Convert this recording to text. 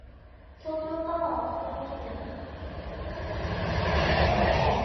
東京タワーはとても綺麗だ。